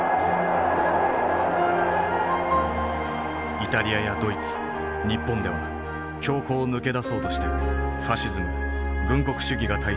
イタリアやドイツ日本では恐慌を抜け出そうとしてファシズム軍国主義が台頭。